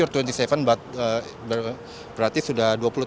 oke sekarang awak dua puluh tujuh tahun tapi berarti sudah dua puluh tahun ya